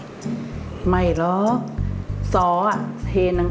สามารถรับชมได้ทุกวัย